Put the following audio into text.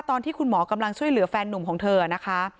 ตอนที่คุณหมอกำลังช่วยเหลือแฟนนุ่มของเธอนะคะ